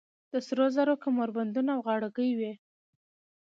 د سرو زرو کمربندونه او غاړکۍ وې